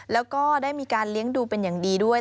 แล้วก็ได้มีการเลี้ยงดูเป็นอย่างดีด้วย